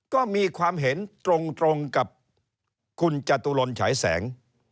ก็มีความเห็นตรงกับคุณจตุรนฉายแสง